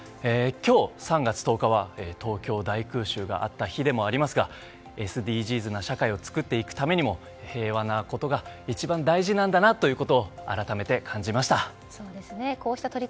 今日、３月１０日は東京大空襲があった日でもありますがＳＤＧｓな社会を作っていくためにも平和なことが一番大事なんだなということを改めて感じました。